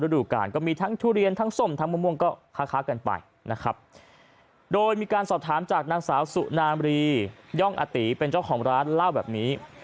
โดยมีการสอบถามจากนางสาวสุนามรีย่องอติเป็นเจ้าของร้านเล่าแบบนี้